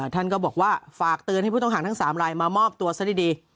ท่านก็บอกว่าฝากเตือนให้ผู้ต้องหาทั้ง๓รายมามอบตัวซะดี